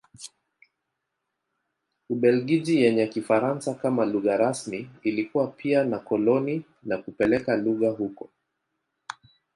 Ubelgiji yenye Kifaransa kama lugha rasmi ilikuwa pia na koloni na kupeleka lugha huko.